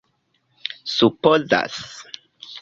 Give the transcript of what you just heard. supozas